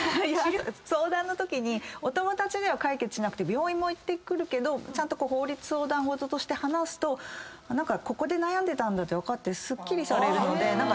いや相談のときにお友達では解決しなくて病院も行ってくるけどちゃんと法律相談事として話すとここで悩んでたんだって分かってすっきりされるので。